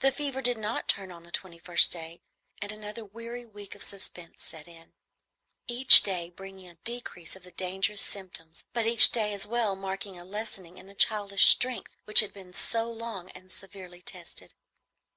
The fever did not turn on the twenty first day, and another weary week of suspense set in, each day bringing a decrease of the dangerous symptoms, but each day as well marking a lessening in the childish strength which had been so long and severely tested.